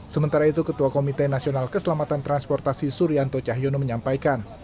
sementara itu ketua komite nasional keselamatan transportasi suryanto cahyono menyampaikan